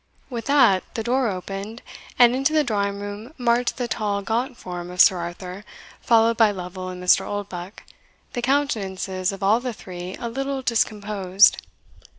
With that the door opened, and into the drawing room marched the tall gaunt form of Sir Arthur, followed by Lovel and Mr. Oldbuck, the countenances of all the three a little discomposed.